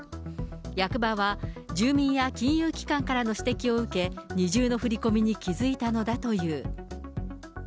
役場は、住民や金融機関からの指摘を受け、二重の振り込みに気付いたのだという。